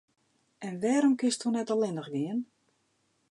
En wêrom kinsto net allinnich gean?